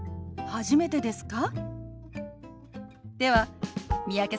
初めてですか？